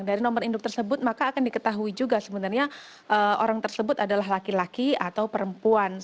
dari nomor induk tersebut maka akan diketahui juga sebenarnya orang tersebut adalah laki laki atau perempuan